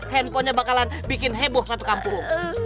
handphonenya bakalan bikin heboh satu kampung